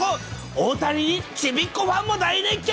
大谷にちびっ子ファンも大熱狂。